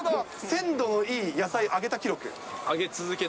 鮮度のいい野菜あげた記録。